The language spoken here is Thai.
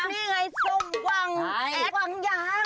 นี่ไงส้มวงแอซวังยาง